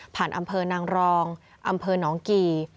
ผ่านอำเภอนางรองอำเภอน้องกี่